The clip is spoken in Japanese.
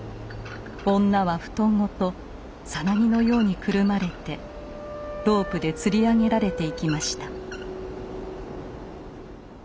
女は布団ごとサナギのようにくるまれてロープでつり上げられていきました。